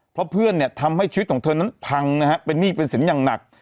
เพราะเพื่อนเนี่ยทำให้ชีวิตของเธอนั้นพังนะฮะเป็นหนี้เป็นสินอย่างหนัก